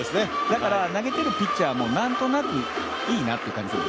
だから、投げてるピッチャーもなんとなくいいなという感じがする。